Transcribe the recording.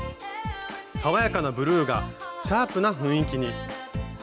爽やかなブルーがシャープな雰囲気に。